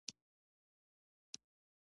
ښوونځی د ابتکار سرچینه ده